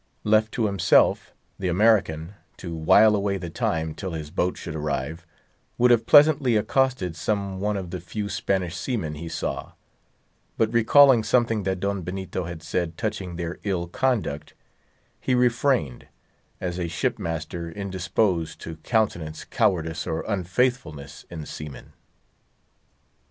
Left to himself, the American, to while away the time till his boat should arrive, would have pleasantly accosted some one of the few Spanish seamen he saw; but recalling something that Don Benito had said touching their ill conduct, he refrained; as a shipmaster indisposed to countenance cowardice or unfaithfulness in seamen.